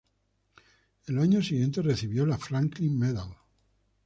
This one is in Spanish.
En los años siguientes recibió la "Franklin Medal".